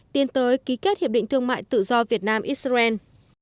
thông mại tự do việt nam israel